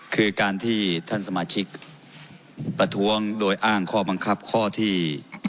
คือการที่ท่านสมาชิกประท้วงโดยอ้างข้อบังคับข้อที่๑